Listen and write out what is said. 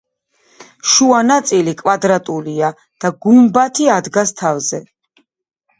შუა ნაწილი კვადრატულია და გუბათი ადგას თავზე.